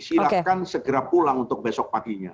silahkan segera pulang untuk besok paginya